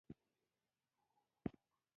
هیواد د سرو زرو کان دی